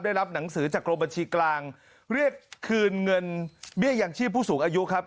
ได้รับหนังสือจากกรมบัญชีกลางเรียกคืนเงินเบี้ยยังชีพผู้สูงอายุครับ